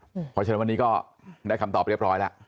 เพราะฉะนั้นวันนี้ก็ได้คำตอบเรียบร้อยแล้ว